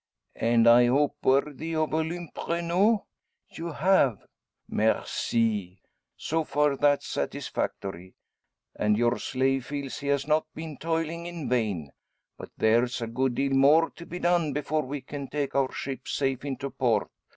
"And I hope worthy of Olympe Renault?" "You have." "Merci! So far that's satisfactory; and your slave feels he has not been toiling in vain. But there's a good deal more to be done before we can take our ship safe into port.